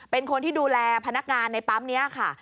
เป็นคนที่ดูแลพนักงานในปั๊มนี้ค่ะ